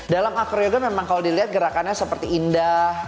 dalam acroyoga memang kalau dilihat gerakannya seperti indah